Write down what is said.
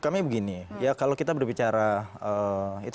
kami begini ya kalau kita berbicara itu